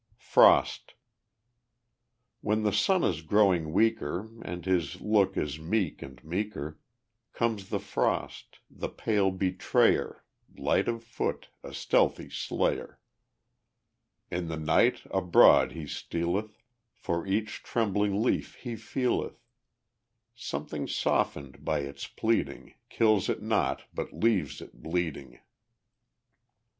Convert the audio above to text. Frost When the sun is growing weaker, And his look is meek and meeker, Comes the frost the pale betrayer Light of foot, a stealthy slayer. In the night abroad he stealeth, For each trembling leaf he feeleth; Something softened by its pleading, Kills it not but leaves it bleeding.